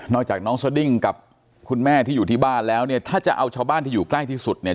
จากน้องสดิ้งกับคุณแม่ที่อยู่ที่บ้านแล้วเนี่ยถ้าจะเอาชาวบ้านที่อยู่ใกล้ที่สุดเนี่ย